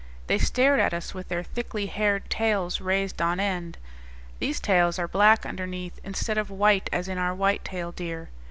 They stared at us, with their thickly haired tails raised on end. These tails are black underneath, instead of white as in our whitetail deer.